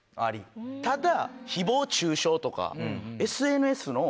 ただ。